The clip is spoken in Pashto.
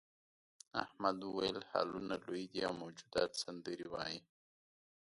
احمد وویل هالونه لوی دي او موجودات سندرې وايي.